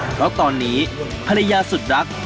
เพราะตอนนี้ภรรยาสุดรัก